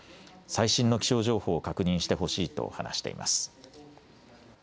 最新の気象情報を確認してほしいと話しています。